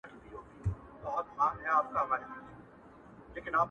• ستا مين درياب سره ياري کوي،